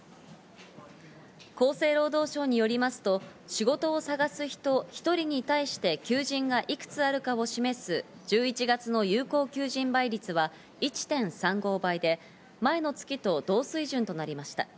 厚生労働省によりますと、仕事を探す人、１人に対して求人が幾つあるかを示す１１月の有効求人倍率は１．３５倍で、前の月と同水準となりました。